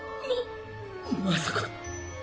ままさか。